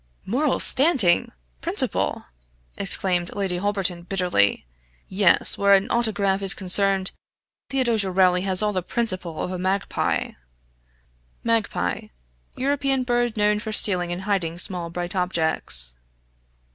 "Moral standing! principle!" exclaimed Lady Holberton, bitterly. "Yes, where an autograph is concerned, Theodosia Rowley has all the principle of a Magpie." {Magpie = European bird known for stealing and hiding small bright objects.